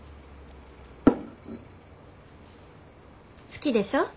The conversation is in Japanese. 好きでしょ？